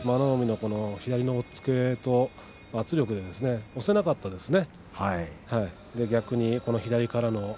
海の左の押っつけそして圧力で押せなかったですね。